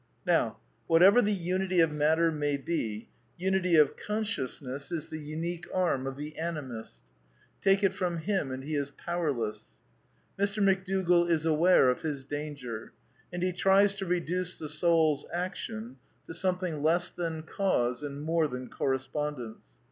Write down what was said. Now, whatever the unity of matter may be, unity of conscious 110 A DEFENCE OF IDEALISM ness is the unique arm of the Anim ist Take it from him and he is powerless. Mr. McDougall is aware of his danger, and he tries to j^ reduce the souPs action to something less than cause ani '"''^ more than correspondence.